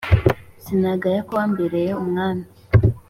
sinagaye ko wambereye umwami